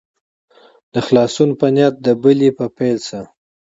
د خلاصون په نیت دبلي په پیل سه.